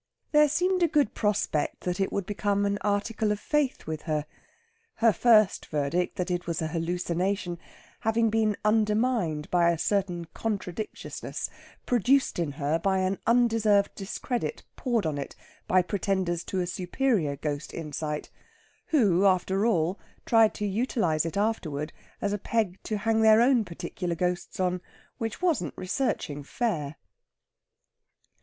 There seemed a good prospect that it would become an article of faith with her; her first verdict that it was an hallucination having been undermined by a certain contradictiousness, produced in her by an undeserved discredit poured on it by pretenders to a superior ghost insight; who, after all, tried to utilise it afterward as a peg to hang their own particular ghosts on. Which wasn't researching fair.